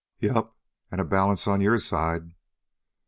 "Yep, and a balance on your side."